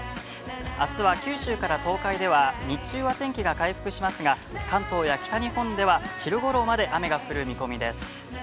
あすは九州から東海では、日中は天気が回復しますが、関東や北日本では、昼ごろまで雨が降る見込みです。